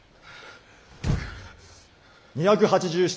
２８７。